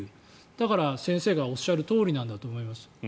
だから、先生がおっしゃるとおりなんだと思います。